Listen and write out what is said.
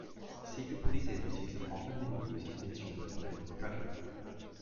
Secret police agencies have often been used as an instrument of political repression.